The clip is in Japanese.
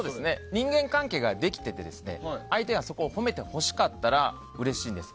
人間関係ができていて相手がそこを褒めてほしかったらうれしいんです。